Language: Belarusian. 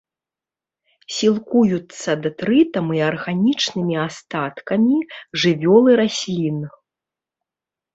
Сілкуюцца дэтрытам і арганічнымі астаткамі жывёл і раслін.